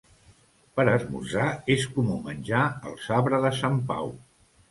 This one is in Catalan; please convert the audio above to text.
Per esmorzar és comú menjar el sabre de sant Pau.